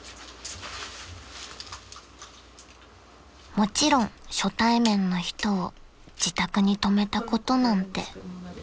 ［もちろん初対面の人を自宅に泊めたことなんて］